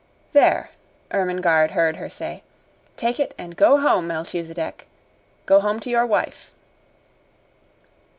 "There!" Ermengarde heard her say. "Take it and go home, Melchisedec! Go home to your wife!"